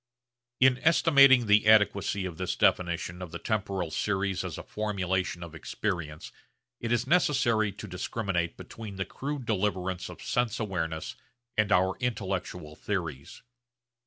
In estimating the adequacy of this definition of the temporal series as a formulation of experience it is necessary to discriminate between the crude deliverance of sense awareness and our intellectual theories.